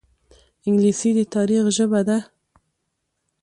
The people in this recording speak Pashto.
انګلیسي د تاریخ ژبه ده